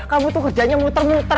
kamu tuh kerjanya muter muter